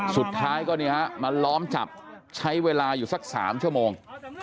สุดท้ายก็เนี่ยฮะมาล้อมจับใช้เวลาอยู่สักสามชั่วโมง